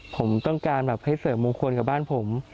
ผมต้องการแบบให้เสริมมงคลกับบ้านผม